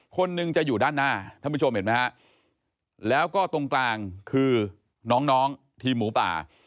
คนหนึ่งจะอยู่ด้านหน้าท่านผู้ชมเห็นไหมฮะแล้วก็ตรงกลางคือน้องทีมหมูป่า